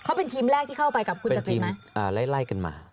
เขาเป็นทีมแรกที่เข้าไปกับคุณจัดติดไหม